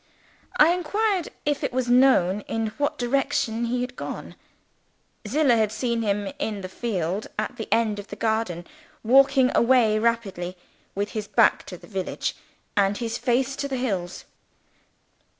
I inquired if it was known in what direction he had gone. Zillah had seen him in the field at the end of the garden, walking away rapidly, with his back to the village, and his face to the hills.